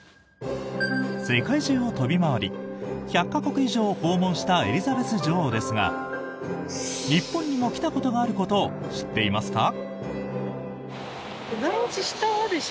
世界中を飛び回り１００か国以上を訪問したエリザベス女王ですが日本にも来たことがあることを知っていますか？